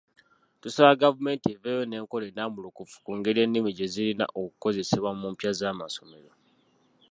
Tusaba gavumenti eveeyo n'enkola ennambulukufu ku ngeri ennimi gye zirina okukozesebwa mu mpya z’amasomero.